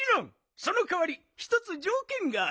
そのかわりひとつじょうけんがある。